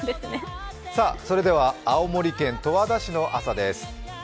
それでは青森県十和田市の朝です。